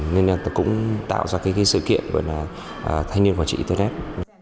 nên là cũng tạo ra cái sự kiện gọi là thanh niên quản trị internet